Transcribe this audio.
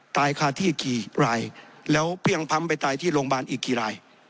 ตายคาที่กี่รายแล้วเพลี่ยงพ้ำไปตายที่โรงพยาบาลอีกกี่ราย